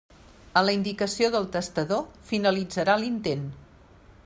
A la indicació del testador finalitzarà l'intent.